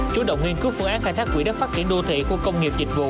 chủ động nghiên cứu phương án khai thác quỹ đất phát triển đô thị khu công nghiệp dịch vụ